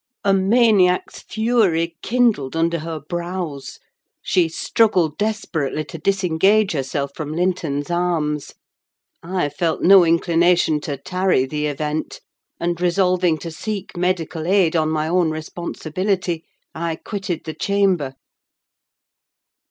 A maniac's fury kindled under her brows; she struggled desperately to disengage herself from Linton's arms. I felt no inclination to tarry the event; and, resolving to seek medical aid on my own responsibility, I quitted the chamber.